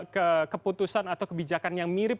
keputusan atau kebijakan yang mirip